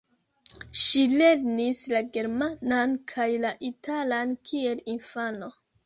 Ŝi lernis la germanan kaj la italan kiel infano.